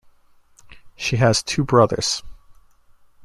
She has two brothers.